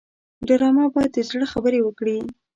ډرامه باید د زړه خبرې وکړي